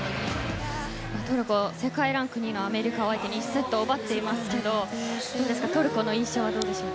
トルコ、世界ランク２位のアメリカを相手に１セットを奪っていますけどトルコの印象はどうでしょう？